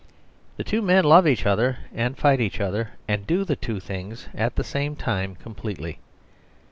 The two men love each other and fight each other, and do the two things at the same time completely.